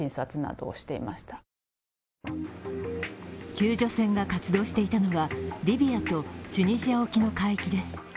救助船が活動していたのは、リビアとチュニジア沖の海域です。